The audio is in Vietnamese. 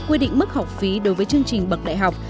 quy định mức học phí đối với chương trình bậc đại học